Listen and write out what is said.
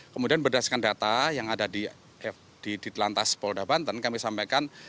kemudian berdasarkan data yang ada di ditelantas polda banten kami sampaikan